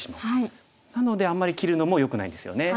なのであんまり切るのもよくないんですよね。